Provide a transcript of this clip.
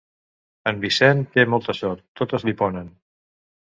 En Vicenç té molta sort. Totes li ponen!